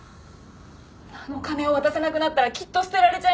お金を渡せなくなったらきっと捨てられちゃいます。